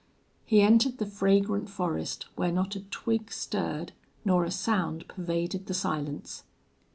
He entered the fragrant forest, where not a twig stirred nor a sound pervaded the silence.